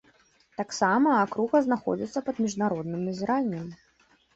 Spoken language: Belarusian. Таксама акруга знаходзіцца пад міжнародным назіраннем.